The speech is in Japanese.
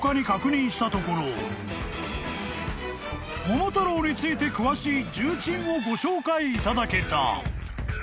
［『桃太郎』について詳しい重鎮をご紹介いただけた］